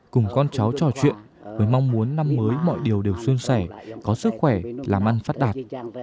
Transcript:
cùng con cháu trò chuyện với mong muốn năm mới mọi điều đều xuân sẻ có sức khỏe làm ăn phát đạt